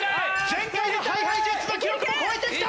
前回のＨｉＨｉＪｅｔｓの記録も超えてきた！